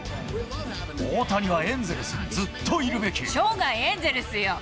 大谷はエンゼルスにずっとい生涯エンゼルスよ。